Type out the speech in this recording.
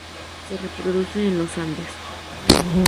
Se reproduce en los Andes.